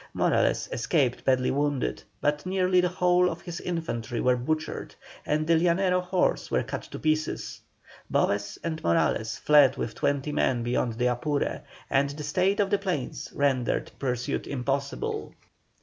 Morales escaped badly wounded, but nearly the whole of his infantry were butchered, and the Llanero horse were cut to pieces. Boves and Morales fled with twenty men beyond the Apure, and the state of the plains rendered pursuit impossible.